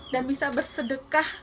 dan bisa bersedekah